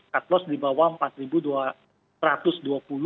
cut loss di bawah rp empat dua ratus dua puluh